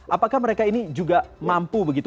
apakah mereka ini juga mampu begitu